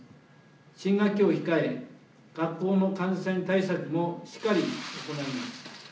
新学期を控え学校の感染対策をしっかり行います。